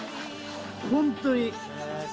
本当に。